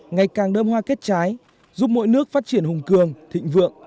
ngày càng đơm hoa kết trái giúp mỗi nước phát triển hùng cường thịnh vượng